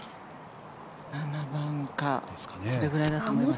７番かそれくらいだと思います。